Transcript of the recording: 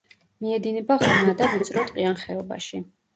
მიედინება ღრმა და ვიწრო ტყიან ხეობაში.